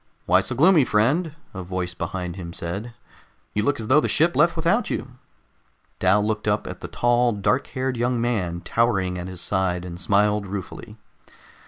"Why so gloomy, friend?" a voice behind him said. "You look as though the ship left without you." Dal looked up at the tall, dark haired young man, towering at his side, and smiled ruefully.